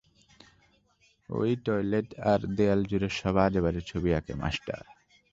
ও-ই toilet আর দেয়ালজুড়ে সব আজেবাজে ছবি আঁকে, মাস্টার।